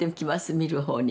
見る方に。